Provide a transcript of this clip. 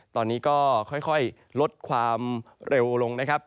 ตอนนี้ก็ค่อยลดความเร็วลงนะครับ